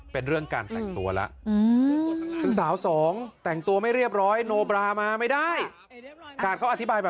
เป็นเรื่องการแต่งตัวล่ะอืมสาวสองแต่งตัวไม่เรียบร้อย